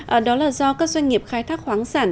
ở đó là do các doanh nghiệp khai thác khoáng sản